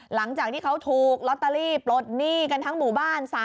หลังจากที่เขาถูกลอตเตอรี่ปลดหนี้กันทั้งหมู่บ้าน